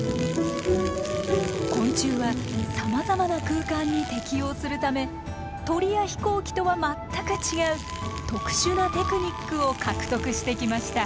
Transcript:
昆虫はさまざまな空間に適応するため鳥や飛行機とは全く違う特殊なテクニックを獲得してきました。